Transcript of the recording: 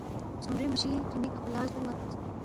خسُوم رِیم بجی رِیمِی کھہ کھو لہ زُونما تھوبس